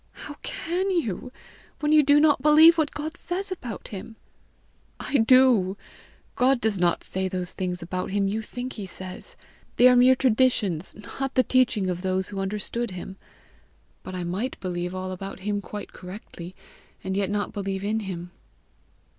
"How can you, when you do not believe what God says about him?" "I do. God does not say those things about him you think he says. They are mere traditions, not the teaching of those who understood him. But I might believe all about him quite correctly, and yet not believe in him."